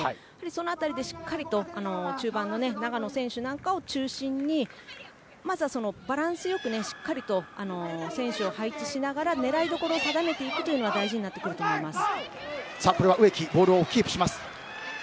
その辺りでしっかりと中盤の長野選手なんかを中心にまずはバランス良くしっかりと選手を配置しながら狙いどころを定めていくのが大事になってくると思います。